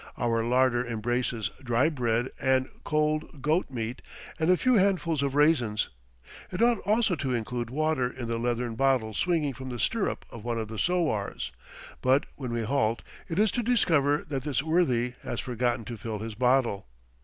Our larder embraces dry bread and cold goat meat and a few handfuls of raisins. It ought also to include water in the leathern bottle swinging from the stirrup of one of the sowars; but when we halt, it is to discover that this worthy has forgotten to fill his bottle.